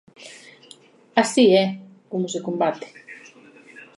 Así é como se combate.